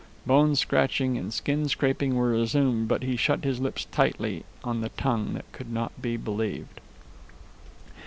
Bone scratching and skin scraping were resumed, but he shut his lips tightly on the tongue that could not be believed.